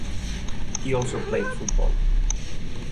He also played football.